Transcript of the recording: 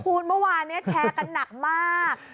คุณเมื่อวานนี้แชร์กันหนักมาก